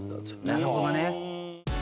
なるほどね。